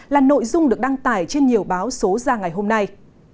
là nội dung được đăng tải trên nhiều báo số ra ngày hôm nay